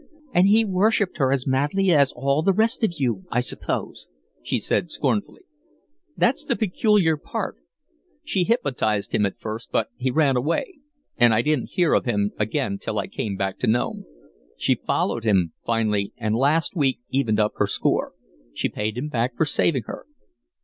"And he worshipped her as madly as all the rest of you, I suppose," she said, scornfully. "That's the peculiar part. She hypnotized him at first, but he ran away, and I didn't hear of him again till I came to Nome. She followed him, finally, and last week evened up her score. She paid him back for saving her."